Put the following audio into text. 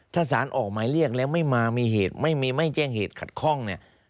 ถ้าศาลออกหมายเรียกแล้วไม่มาไม่แจ้งเหตุขัดข้อง